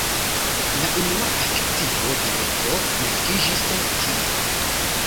La unua akcio-bileto naskiĝis tie.